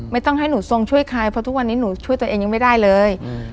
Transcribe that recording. ไม่ต้องให้หนูทรงช่วยใครเพราะทุกวันนี้หนูช่วยตัวเองยังไม่ได้เลย